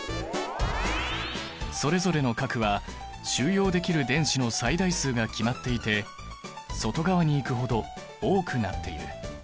それぞれの殻は収容できる電子の最大数が決まっていて外側に行くほど多くなっている。